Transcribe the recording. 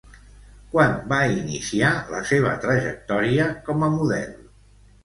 Quan va iniciar la seva trajectòria com a model?